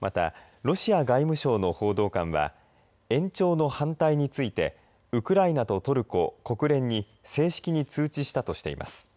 また、ロシア外務省の報道官は延長の反対についてウクライナとトルコ、国連に正式に通知したとしています。